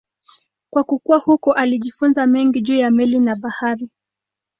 Kwa kukua huko alijifunza mengi juu ya meli na bahari.